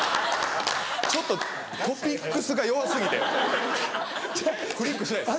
ちょっとトピックスが弱過ぎてクリックしないです。